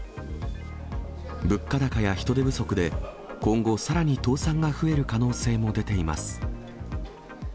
物価高や人手不足で、今後さらに倒産が増える可能性も出ています。